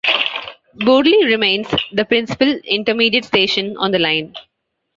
Bewdley remains the principal intermediate station on the line.